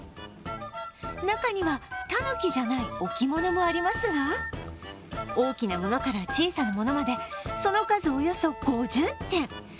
中には、たぬきじゃない置物もありますが、大きなものから小さなものまでその数、およそ５０点。